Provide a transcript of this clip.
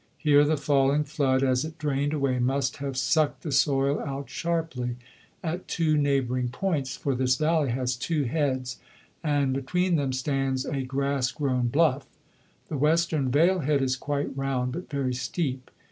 Here the falling flood as it drained away must have sucked the soil out sharply at two neighbouring points, for this valley has two heads, and between them stands a grass grown bluff. The western vale head is quite round but very steep.